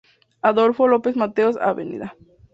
Adolfo López Mateos, Av.